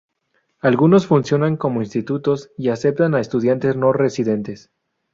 Algunos funcionan como institutos y aceptan a estudiantes no residentes.